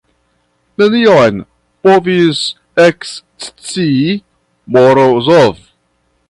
Nenion povis ekscii Morozov.